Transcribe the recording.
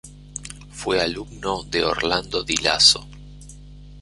Fue alumno de Orlando di Lasso.